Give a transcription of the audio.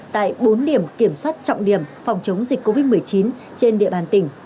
tại bốn điểm kiểm soát trọng điểm phòng chống dịch covid một mươi chín trên địa bàn tỉnh